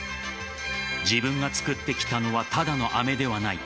自分が作ってきたのはただの飴ではない。